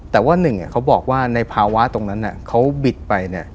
แต่ว่าหนึ่งเขาบอกว่าในภาวะตรงนั้นเขาบิดไป